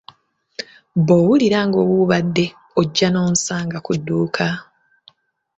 Bw'owulira ng'owuubadde ojja n'onsanga ku dduuka.